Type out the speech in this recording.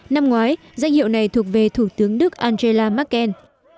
năm ngoái danh hiệu này thuộc về thủ tướng đức angela merkel